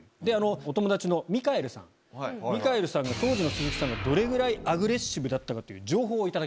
ミカエルさんから当時の鈴木さんがどれぐらいアグレッシブだったかという情報を頂きました。